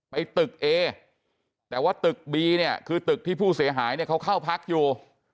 ไปตึกเอแต่ว่าตึกบีเนี่ยคือตึกที่ผู้เสียหายเนี่ยเขาเข้าพักอยู่